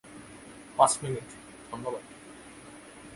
পাঁচ মিনিট, ধন্যবাদ।